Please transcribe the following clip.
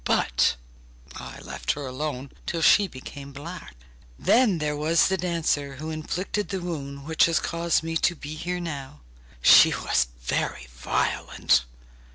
But I left her alone, till she became black. Then there was the dancer, who inflicted the wound which has caused me to be here now; she was very violent!